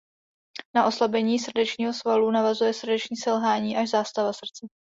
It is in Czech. Na oslabení srdečního svalu navazuje srdeční selhání až zástava srdce.